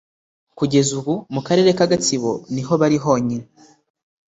kugeza ubu, mu karere ka gatsibo niho bari honyine